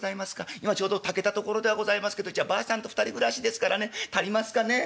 今ちょうど炊けたところではございますけどうちはばあさんと２人暮らしですからね足りますかねええ。